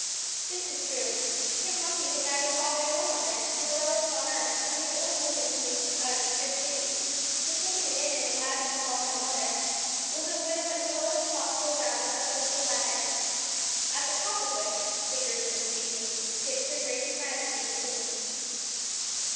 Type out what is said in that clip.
This was true. Tim Lumpy had neither father nor mother, nor relative on earth, and the old woman who, out of sheer pity, had taken him in and allowed him to call her "mother," was a widow at the lowest possible round of that social ladder, at the top of which figuratively speaking sits Her Gracious Majesty the Queen.